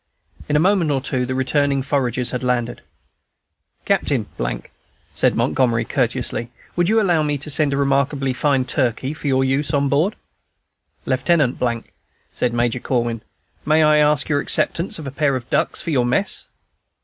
In a moment or two the returning foragers had landed. "Captain ," said Montgomery, courteously, "would you allow me to send a remarkably fine turkey for your use on board ship?" "Lieutenant ," said Major Corwin, "may I ask your acceptance of a pair of ducks for your mess?"